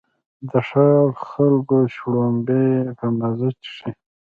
د ښار خلک شړومبې په مزه څښي.